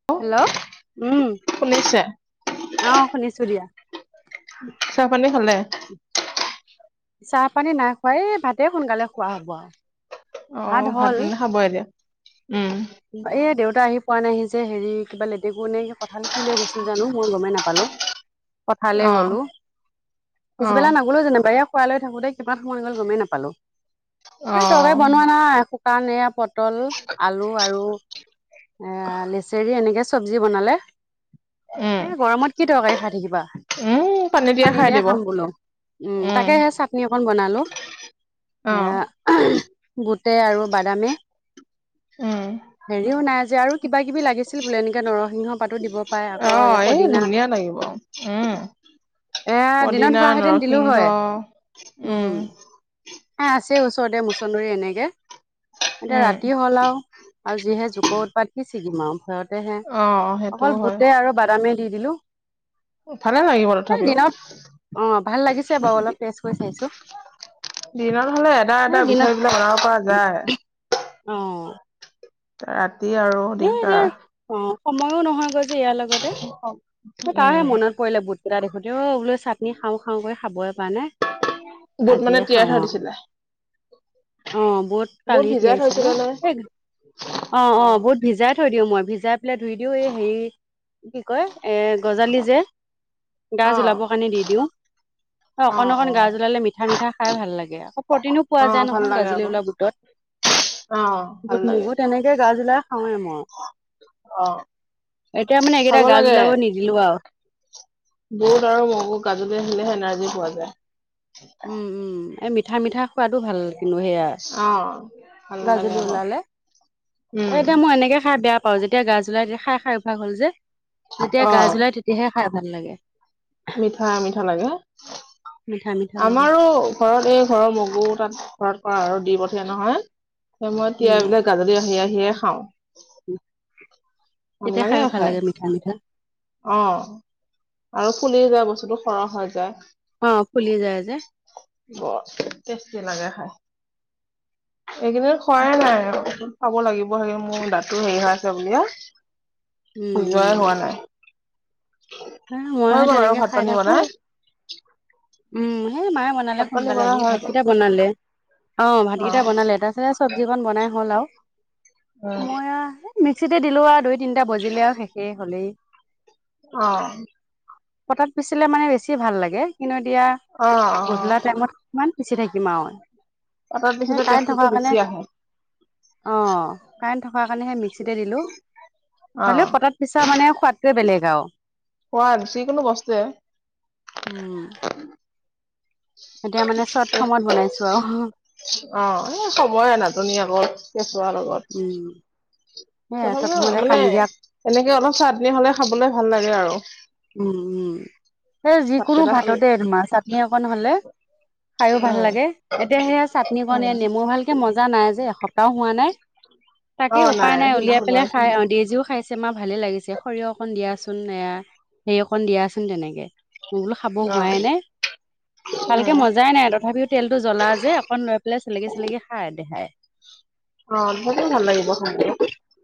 উ, [unintelligible] হেল্ল'? উম, আহ, শুনিছোঁ দিয়া। চাহ পানী খালে? চাহ-পানী নাই খোৱা, এই ভাতে সোনকালে খোৱা হ'ব আৰু, ভাত হ'ল। হ'ব এতিয়া। উম। এ' দেউতা আহি পোৱা নাইহি যে, হেৰি কিবা লেটেকু নে কঠিল কি লৈ গৈছিল জানো, মই গ'মেই নাপালো। অ, [unintelligible] পথালে গ'লো, অ পিছবেলা নগ'লো যেনিবা। তা লৈ থাকোঁতে কিমান সময় গ'ল গমেই নাপালোঁ। অ এ তৰকাৰি বনোৱাৰ নাই শুকান এইয়া প তল আলু আৰু লেছেৰি এনেকে চব্জি বনালে, উম এ গৰমত কি তৰকাৰী বনাই খাই থাকিবা? উম দিয়া পানী খাই দিয়ে দিব খাম বোলোঁ। উম' তাকে সেই চাটনি অকন বনালো। এ অ'। বুটে আৰু বাদামে। উম। হেৰিও নাই যে, আৰু কিবা কিবি লাগিছিল বোলে, এনেকে নৰসিংহ পাতো দিব পায় আকৌ। এই পদিনা- ধুনীয়া লাগিব উম, এ দিনত পদিনা হোৱাহেঁতেন দিলো নৰসিংহ হয় উম'। এ আছে ওচৰতে মুচন্দৰি এনেকে, এতিয়া উম ৰাতি হ'ল আৰু। আৰু যিহে জোকৰ উৎপাত কি ছিঙিম আৰু ভয়তে হেই, অ সেইটোও অকল হয় বুতে আৰু বাদামে দি দিলো। ভালে লাগিব এই তথাপিও দিনত, অ' ভাল লাগিছে বাৰু অলপ টেষ্ট কৰি চাইছো। দিনত হ'লে এটা এটা এই দিনত বিচাৰি পেলাই বনাব পৰা যায়। অ'। ৰাতি আৰু এ দিগদাৰ। এতিয়া অ' সময়ো নহয় গৈ যে ইয়াৰ লগত। তাৰহে উম মনত পৰিলে বুট কেইটা দেখোতে, অ' বোলে চাটনি খাওঁ খাওঁ কে খাবই পৰা নাই। বুট মানে আজিয়ে তিয়াই খাওঁ থৈ আৰু। দিছিলে অ বুট কালি ভিজাই তিয়াইছিলো থৈছিলে নে এ অ অ বুট ভিজাই থৈ দিওঁ মই ভিজাই পেলাই ধুই দিওঁ এই হেৰি কি কয় এ গজালি যে গাজ ওলাব অ', কাৰণে দি দিওঁ অ অ', অকন অকন গাজ অ', ওলালে মিঠা মিঠা খাই ভাল লাগে আও প্ৰটিনো পোৱা অ', যায় ভাল নহয় লাগে গাজলি আকৌ ওলা অ', বুটত ভাল বুট লাগে মগুত তেনেকে গাজ ওলা খাওঁয়ে মই অ', এতিয়া মানে খাব এইকেইটা গাজ লাগে ওলাব নিদিলো আৰু বুট আৰু মগু গাজুুলি আহিলেহে এনাৰ্জি পোৱা যায় উম উম এই মিঠা মিঠা খোৱাদো ভাল কিন্তু সেয়া অ ভাল লাগে গাজুলি আকৌ ওলালে এ উম, এতিয়া মই এনেকে খাই বেয়া পাৰ যেতিয়া গাজ ওলাই তেতিয়া খাই খাই অভিয়াখ হ'ল যে যেতিয়া অ', গাজ ওলাই তেতিয়াহে খাই ভাল লাগে মিঠা মিঠা লাগে মিঠা মিঠা লাগে আমাৰো ঘৰত এই ঘৰৰ মগু তাত ঘৰত কৰা আৰু দি পঠিয়াই নহয় সময় মই উম তিয়াবিলাক গাজৰি আহি আহিয়ে খাওঁ ভাল তেতিয়া লাগে খাইও ভাল খাই মিঠা মিঠা। অ আৰু ফুলি যায় বস্তুটো সৰহ হৈ যায় অ ফুলি যায় যে বৰ টেষ্টি লাগে খাই এইকেইদিন খোৱাই নাই খাব লাগিব হেৰি মোৰ দাতো হেৰি হৈ আছে বুলিয়ে উম, সেই যোৱা হোৱা নাই মই হৈ সে গ'ল আৰু তেনেকে ভাত খাই পানী বনাই থাকোৱে উম সে মায়ে মা সোনকালে ভাত পানী সোনকালে বনাই শুৱ হৈ গ'ল ভাতকেইটা বনালে অ ভাতকেইটা বনালে তাৰ পিছতে চব্জিখনন বনাই হ'ল আও উম মই মিক্সিতে দিলো আৰু দুই তিনটা বজিলে আৰু শেষেই হলেই অ পটাত পিচিলে মানে বেছি ভাল লাগে কিন্তু এতিয়া অ গধূলা অ টাইমত ইমান পিচি থাকিম আৰু পাতাত সেই পিছিলে কাৰেণ্ট টেষ্টিটো থকাৰ কাৰণে বেছি আহে অ কাৰেণ্ট থকাৰ কাৰণে সেই মিক্সিতে দিলো অ হ'লেও পটাত পিছা মানে শুৱাদটোৱে বেলেগ আৰু খোৱা যিকোনো বস্তুৱে উম এতিয়া মানে চৰ্ট ফৰ্মত বনাইছো আৰু [unintelligible] অ এই সময়ৰ নাটনি আকৌ কেঁচুৱা লগত উম সেয়া ত তথাপিও তহঁতে মানে কান্দি দিয়া এনেকে অলপ চাহটনি হলে খাবলৈ ভাল লাগে আৰু উম উম সেই যিকোনো ভাতকেইটা খালে। ভাততে তোমাৰ চাটনি অকণ হলে খাইয়ো ভাল উম লাগে এতিয়া সেয়া চাটনি কণ এ উম নেমু ভাল এ মজা নাই যে এসপ্তাহও হোৱা নাই অ তাকে উপায় নাই উলিয়াই সিদিনাখন পেলাই খাই বনাইছিলো অ ডিজিও খাইছে মাৰ ভালে লাগিছে সৰিয়হ অকন দিয়াচোন এতিয়া সে অকন দিয়াচোন তেনেকে মই বোলো খাব অ হোৱাই নে ভালকে উম মজাই নাই তথাপিও তেলটো জ্বলা যে অকন লৈ পেলাই চেলেকি চেলেকি খাই দেহাই অ তথাপিও ভাল লাগিব খাব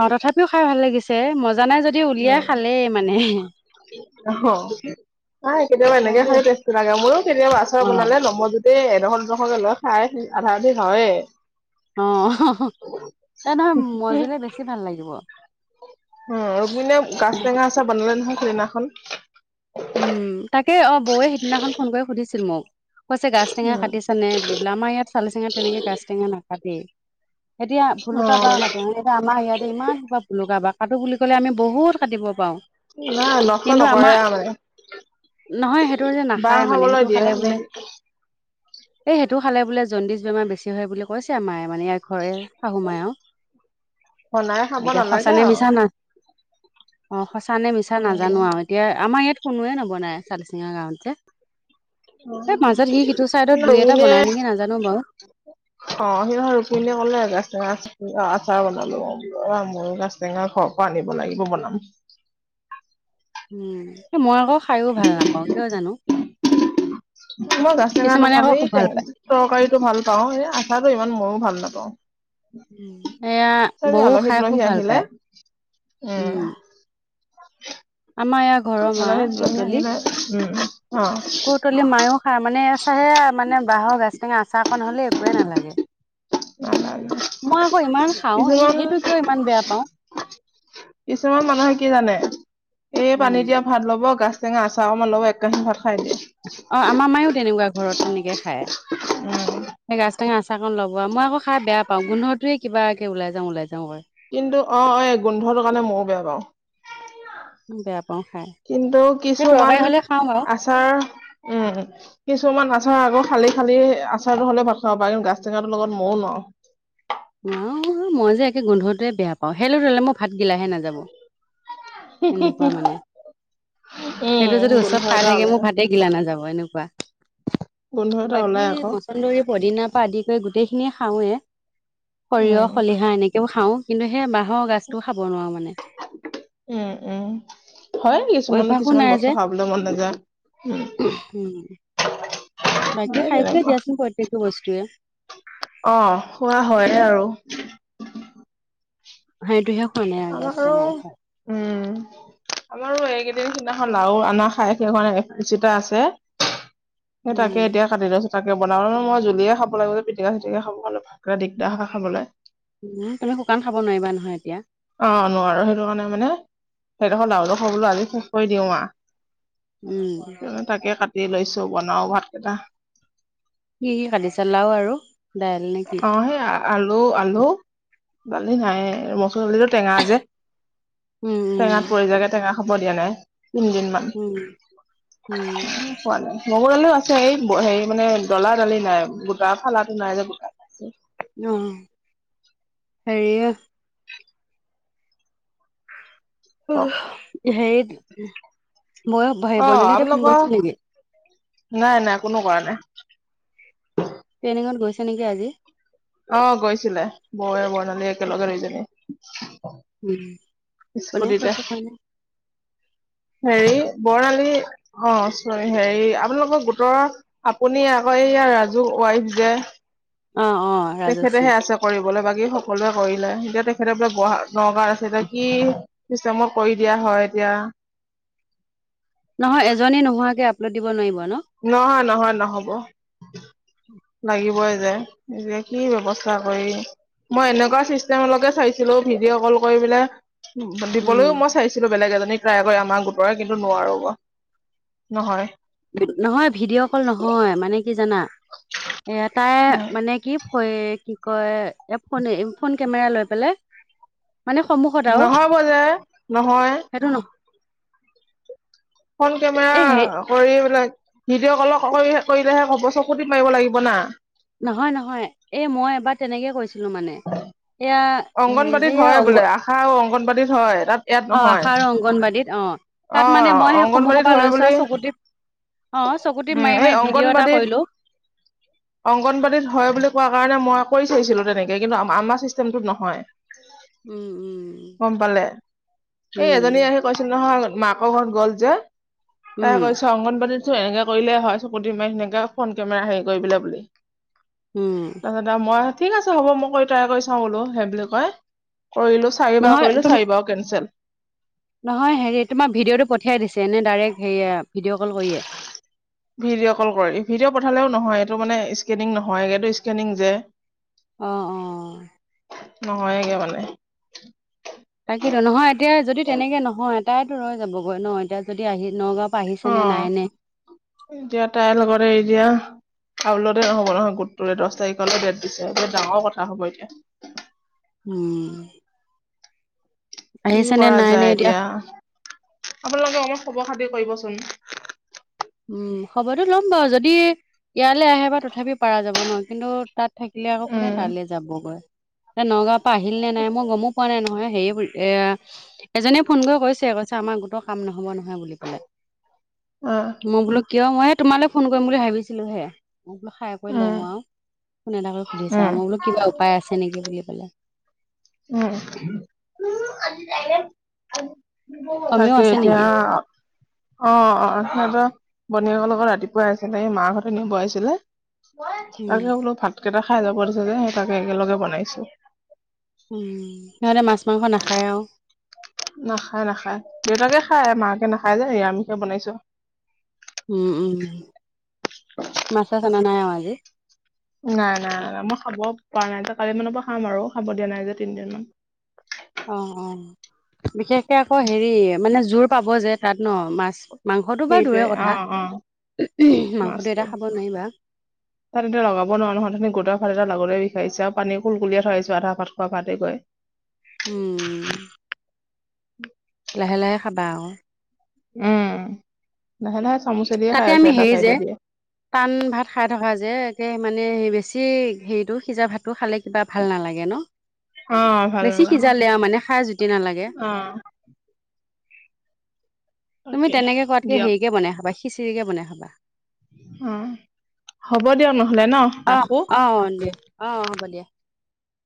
অ তথাপিও খাই ভাল লাগিছে মজা নাই যদিও উলিয়াই উম, খালেই মানে কেতিয়াবা মই এনেকে বোলো খ বস্তু লাগে মোৰো কেতিয়াবা আ আচাৰ অ বনালে নমোজোতে এডোখৰ দুডোখৰকে লৈ খাই আধা আধি হয়ে। অঁ' এ নহয় মজিলে বেছি ভাল লাগিব। উমঁ' ৰুক্মিণীয়ে গাছ টেঙা আচাৰ বনালে নহয় সেইদিনাখন। উমঁ' তাকে, অঁ' বৌৱে সিদিনাখন ফোন কৰি সুধিছিল মোক। কৈছে গাছ টেঙা উম। কাটিছে নে বুলি বেলে, আমাৰ ইয়াত চালি চেঙা তেনেকে গাছ টেঙা নাকাটেয়। এতিয়া ভুলুকা বাঁহ কাটে মানে এইবাৰ আমাৰ ইয়াতে ইমান সোপা ভুলুকা বাঁহ কাটো বুলি ক'লে আমি বহুত কাটিব পাৰোঁ। নাই নষ্ট কিন্তু নকৰে আমাৰ আৰু মানে, নহয় সেইটো যে বাঁহ নাখায় মানে খাবলৈ সেইটো দিয়ে খালে নে বোলে এই সেইটো খালে বোলে জণ্ডিছ বেমাৰ বেছি হয় বুলি কৈছে মায়ে মানে ই হয় শাহু মায় বনাই খাব আৰু। এতিয়া নালাগে সঁচানে আৰু। মিছা না অঁ' সঁচা নে মিছা উম, নাজানো আৰু এতিয়া আমাৰ ইয়াত কোনোৱে নৱনাই চালি চিঙা গাঁৱত যে। এই মাজত সি সিটো চাইডত দুই এটা বনাই নেকি নাজানো বাৰু। [unintelligible] অঁ' সেইদিনাখন ৰুক্মিণীয়ে ক'লে গাছ টেঙা আচাৰ বনালোঁ মই [unintelligible] টেঙা ঘৰৰ পৰা আনিব লাগিব বনাম। উমঁ' মই আকৌ খাইও ভাল নাপাওঁ কিয় জানো। মই গাজ টেঙা কিছুমানে নাপাম, আকৌ এই খুব ভাল পায়। তৰকাৰীটো ভাল পাওঁ, এই আচাৰটো ইমান মইও ভাল নাপাওঁ। এয়া তথাপি বৌ খাই আলহী-তুলসী খুব ভাল আহিলে পায় উম, উমঁ'। আমাৰ ইয়াৰ ঘৰৰ মা আলহী দুলহী কৌতলিত, আহিলে উম অ কৌত তলি মাইয়ো খাই মানে চাহেয়া মানে বাঁহৰ গাছ টেঙা আচাৰ অকণ হ'লে একোৱে নালাগে। নালাগে মই আকৌ ইমান খাওঁ এ কিছুমান সেইটো কিয় ইমান বেয়া পাওঁ। কিছুমান মানুহে কি জানে এই পানী উম, দিয়া ভাত ল'ব গাছ গাছ টেঙা আচাৰ অকণমান ল'ব এক কাঁহী ভাত খাই দিয়ে। অঁ' আমাৰ মায়ো তেনেকুৱা ঘৰত তেনেকে খায়, উম সেই গাছ টেঙা আচাৰ অকন ল'ব আৰু মই আকৌ খাই বেয়া পাওঁ গোন্ধটোয়ে কিবাকে ওলাই যাওঁ ওলাই যাওঁ কৰে। কিন্তু অঁ' এ গোন্ধটোৰ কাৰণে মইও বেয়া পাওঁ। বেয়া পাওঁ খাই কিন্তু সেই তৰকাৰী কিছুমান হ'লে খাওঁ বাৰু আচাৰ, উমঁ'। কিছুমান আচাৰ আকৌ খালি খালি আচাৰটো হ'লে ভাত খাব পাৰিম। গাছ টেঙাটো লগত মইও নোৱাৰোঁ। নোৱাৰো নহয়, মই যে একে গোন্ধটোৱে বেয়া পাওঁ, সেই [unintelligible] মই ভাত গিলাহে নাযাব। এনেকুৱা মানে সেইটো উম যদি গোন্ধ ওচৰত খাই এটা থাকে ওলাই। মোৰ ভাতে গিলা নাযাব এনেকুৱা। গোন্ধ এটা বাকী ওলাই আকৌ ম মছন্দৈ, পদিনা পৰা আদি কৰি গোটেইখিনিয়ে খাওঁৱে। সৰিয়হ উম খলিহা এনেকে খাওঁ কিন্তু সেই বাঁহৰ গাজটোও খাব নোৱাৰো মানে। উমঁ' উমঁ' হয় কিছুমানো অভ্যাসো কিছুমান বস্তু খাবলৈ মন নাযায়। উম উমঁ। বাকী সেই খাইছোৱে দিয়াচোন প্ৰত্যেকটো বস্তুৱে। অঁ' খোৱা হয় আৰু। সেইটোহে খোৱা নাই আৰু গাছ টেঙা আচাৰ। উমঁ। আমাৰো এইকেইদিন সিদিনাখন লাও অনা খাই শেষ হোৱা নাই এক চিতা আছে। সেই তাকে উম এতিয়া কাটি লৈছোঁ। তাকে, বনালোঁ ন' মই জুলিয়ে খাব লাগিব যে পিটিকা চিটিকা খাব ভাগৰা দিগদাৰ খাব লে। উমঁ' তুমি শুকান খাব নোৱাৰিবা নহয় এতিয়া। অঁ' নোৱাৰোঁ, সেইটো কাৰণে মানে সেইডোখৰ লাও ডোখৰ বোলো আজি শেষ কৰি দিও আৰু। উমঁ। তাকে কাটি লৈছো বনাও ভাত কেইটা কি কি কাতিচা লাও আৰু দাইল নে কি অ সেই আলু আলু দালি নাই মচুৰ দালিটো টেঙা যে উম উম টেঙাত পৰি যায় টেঙা খাব দিয়া নাই তিনদিনমান উম উম মগুৰ দালিও আছে এই হেৰি মানে ডলা দালি নাই গোটা ফালাটো নাই যে গোট অ সেৰি উঃ হেৰিত মই হেৰি অ বৰ্ণালী লহতে ফোন আপোনালোকৰ কৰিছিলে নেকি [inaudible] নাই নাই কোনো কৰা নাই ট্ৰেইনিংত গৈছে নেকি আজি অ গৈছিলে বৌৱে, বৰ্ণালী একেলগে দুইজনী উম, কোনে স্কুটিতে কৰিব পৰা নাই হেৰি বৰ্ণালী অ চৰি হেৰি আপোনালোকৰ গোটৰ আপুনি আকৌ এইয়া আকৌ সেইয়া ৰাজুৰ ৱাইফ যে অ অ ৰাজশ্ৰী তেখেতেহে আছে কৰিবলৈ বাকী সকলোৱে কৰিলে এতিয়া তেখেতে বোলে গহা নগাঁৱত আছে নে কি পিছে মই কৰি দিয়া হয় এতিয়া নহয় এজনী নোহোৱাকে আপলোড দিব নোৱাৰিব ন নহয় নহয় নহ'ব লাগিবই যে এতিয়া কি বব্যৱস্থা কৰিম মই এনেকুৱা চিষ্টেমলৈকে চাইছিলো ভিডিঅ' কল কৰি পেলাই উম দিবলৈও মই চাইছিলো বেলেগ এজনী ট্ৰাই কৰি আমাৰ গোটৰে পৰা কিন্তু নোৱাৰো নহয় নহয় ভিডিঅ' কল নহয় মানে কি জানা এ তাই উম মানে কি হয় কি কয় এ ফনে ফোন কেমেৰা লৈ পেলাই মানে সন্মুখত আৰু নহ'ব যে নহয় সেইটো নহ ফোন এই হে কেমেৰা কৰিবলৈ ভিডিঅ' কলৰ কৰিলেহে হ'ব চকু টিপ মাৰিব লাগিব না নহয় নহয় এই মই এবাৰ তেনেকে কৈছিলো মানে এয়া হেৰি যে অংগনবাদীত এয়া হয় অংগ বোলে আশা আৰু অংগনবাদীত হয় তাত ইয়াত অ নহয় আশা আৰু অংগনবাদীত অ অ তাত মানে মই সেই সন্মুখৰ অংগনবাদীত পৰা হয় লৈছো বুলি আৰু চকু টিপ অ চকু টিপ উম মাৰি এই মাৰি ভিডিঅ' এটা অংগনবাদীত কৰিলো অংগনবাদীত হয় বুলি কোৱা কাৰণে মই কৰি চাইছিলো তেনেকে কিন্তু আমাৰ চিষ্টেমটোত নহয় উম উম গম পালে এই এজনী উম আহি কৈছিল নহয় মাকৰ ঘৰত গ'ল যে তাই উম, কৈছ অংগনবাদীত এনেকে কৰিলে হয় চকু টিপ মাৰি সেনেকে ফোন কেমেৰা হেৰি কৰি পেলাই বুলি উম তাৰ পছত মই ঠিক আছে হ'ব মই কৰি ট্ৰাই কৰি চাওঁ বোলো সেই বুলি কয় কৰিলো চাৰি বাৰ নহয় কৰিলো তুম চাৰি বাৰো কেনঞ্চেল নহয় হেৰি তোমাৰ ভিডিঅ'টো পঠিয়াই দিছে এনে ডাইৰেক্ট হেৰিয়া ভিডিঅ' কল কৰিয়ে ভিডিঅ' কল কৰে ভিডিঅ' পঠালেও নহয় এইটো মানে স্কেনিং নহয় এইটো স্কেনিং যে অ অ', নহয়গে মানে তাকেইটো নহয় এতিয়া যদি তেনেকে নহয় তাইতো ৰৈ যাবগৈ ন এতিয়া যদি আহি নগাঁও অ এতিয়া তাইৰ লগতে এতিয়া আপলোড নহ'ব নহয় গোটটোলৈ দহ তাৰিখলৈ ডেট দিছে বৰ ডাঙৰ কথা হ'ব এতিয়া উম কি আহিছে নে কৰা নাই নে যায় এতিয়া, আপোনালোকে অকমান খবৰ খাতি কৰিবচোন। উম' খবৰটো ল'ম বাৰু, যদি ইয়ালে আহে বা তথাপিও পাৰা যাব ন, কিন্তু- তাত থাকিলে আকৌ কোনে উম তালে যাবগৈ? তে নগাঁৱৰ পৰা আহিল নে নাই মই গমো- পোৱা নাই নহয় হেয়ি এ এজনে ফোন কৰি কৈছে, কৈছে আমাৰ গোটৰ কাম নহব নহয় বুলি কলে। অঁ' মই বোলো কিয় মইয়ে তোমালৈ ফোন কৰিম বুলি ভাবিছিলো হে, মই বোলো খাই কৰি উম লওঁ আও। ফোন এটা কৰি সুধিছা উম মই বোলো কিবা উপায় আছে নেকি বুলি পেলায়। উম' অমিও তাকে, আছে এতিয়া- নেকি অঁ অঁ সিহঁতৰ বনীয়েকৰ লগত ৰাতিপুৱা আহিছিলে সি মাক হঁতে নিব আহিছিলে। উম তাকে বোলো ভাত কেইটা খাই যাব দিছে যে সেই তাকে একেলগে বনাইছো। উম' সিহঁতে মাছ মাংস নাখায় আও। নাখায় নাখায়, দেউতাকে খায় মাকে নাখায় যে নিৰামিষে বনাইছো। উম উম' মাছ চাচ অনা নাই আৰু আজি। নাই নাই নাই নাই, মই খাব পৰা নাই ত' কালি মানৰ পৰা খাম আৰু খাব দিয়া নাই যে তিনিদিনমান। অঁ অঁ বিশেষকে আকৌ হেৰি মানে জোৰ পাব যে তাত ন মাছ। মাংসটো বাৰু সেইটোৱে দুূৰৰে অ কথা, অ মাংসটো মাছটো এতিয়া খাব নোৱাৰিবা। [inaudible] তাত এতিয়া লগাব নোৱাৰো নহয়, উথনি গোটা ল'বলৈ বিচাৰিছে আৰু পানী কুলকুলিয়া থৈ আহিছো আধা ভাত খোৱা- ভাতে গৈ উম' লাহে লাহে খাবা আক। উম' লাহে লাহে চামুচে দিয়ে খাই তাতে আছো আমি এটা হেৰি যে চাইডে দিয়ে। টান ভাত খাই থকা যে, একে মানে বেছি হেৰিটো সিজা ভাত- টো খালে কিবা ভাল নালাগে ন, অ ভাল বেছি নালাগে সিজালে আৰু মানে খাই জুতি নালাগে। অ তুমি তাকে তেনেকে খোৱাতকে দিয়ক হেৰিকে বনাই খাবা, খিচিৰিকে বনাই খাবা। অঁ' হ'ব দিয়ক নহ'লে ন। অঁ ৰাখো অঁ দিয়া, অঁ হ'ব দিয়া।